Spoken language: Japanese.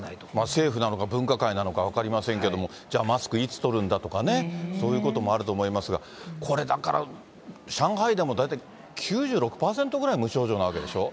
政府なのか分科会なのか分かりませんけれども、じゃあ、マスクいつ取るんだとかね、そういうこともあると思いますが、これ、だから、上海でも大体９６％ぐらい無症状なわけでしょ。